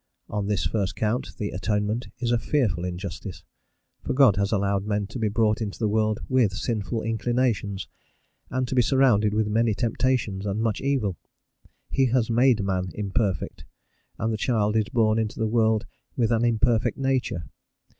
On this first count, the Atonement is a fearful injustice. For God has allowed men to be brought into the world with sinful inclinations, and to be surrounded with many temptations and much evil. He has made man imperfect, and the child is born into the world with an imperfect nature.